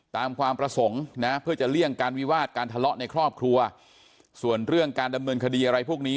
ความประสงค์นะเพื่อจะเลี่ยงการวิวาสการทะเลาะในครอบครัวส่วนเรื่องการดำเนินคดีอะไรพวกนี้